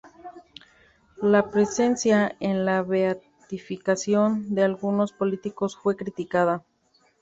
La presencia en la beatificación de algunos políticos fue criticada.